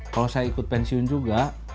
kalau saya ikut pensiun juga